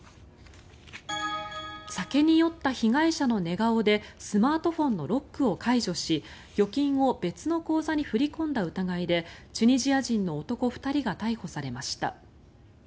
酒に酔った被害者の寝顔でスマートフォンのロックを解除し預金を別の口座に振り込んだ疑いでチュニジア人の男２人が逮捕されました。